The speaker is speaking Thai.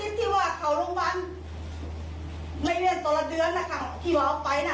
ก็จะทำยังไงแล้วก็เวลาเมตรผ่านไปแล้วเนอะ